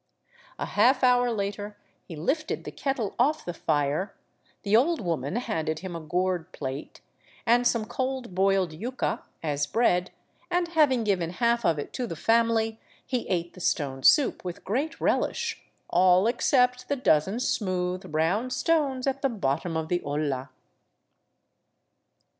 A half hour later he lifted the kettle off the fire, the old woman handed him a gourd plate, and some cold boiled yuca as bread, and having given half of it to the family, he ate the stone soup with great relish — all except the dozen smooth, round stones at the bottom of the olla.